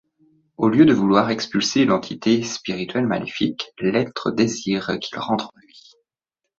Au lieu de vouloir expulser l’entité spirituelle maléfique, l’être désire qu’il rentre en lui.